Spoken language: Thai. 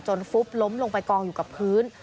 ฟุบล้มลงไปกองอยู่กับพื้น